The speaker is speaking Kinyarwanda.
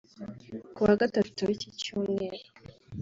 Kuwa Gatatu w’iki cyumweru